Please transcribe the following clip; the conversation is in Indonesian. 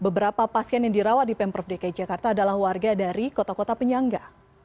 beberapa pasien yang dirawat di pemprov dki jakarta adalah warga dari kota kota penyangga